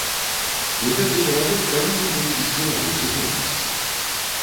І гэты чалавек павінен быць з дзелавой супольнасці.